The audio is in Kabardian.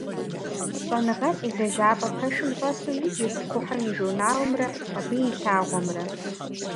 ЩӀэныгъэлӀ и лэжьапӀэ пэшым щӀэсу иджырт кхъухьым и журналымрэ абы и лъагъуэмрэ.